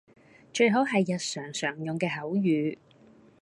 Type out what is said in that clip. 最好係日常常用嘅口語